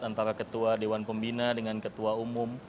antara ketua dewan pembina dengan ketua umum